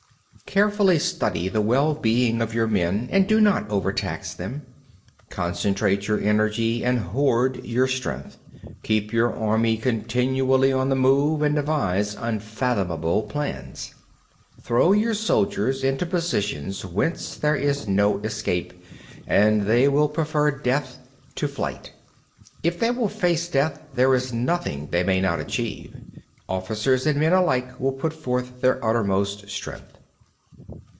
22. Carefully study the well being of your men, and do not overtax them. Concentrate your energy and hoard your strength. Keep your army continually on the move, and devise unfathomable plans. 23. Throw your soldiers into positions whence there is no escape, and they will prefer death to flight. If they will face death, there is nothing they may not achieve. Officers and men alike will put forth their uttermost strength.